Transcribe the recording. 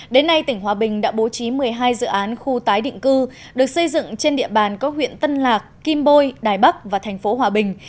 đến nay tỉnh hòa bình đã bố trí một mươi hai dự án khu tái định cư được xây dựng trên địa bàn các huyện tân lạc kim bôi đài bắc và thành phố hòa bình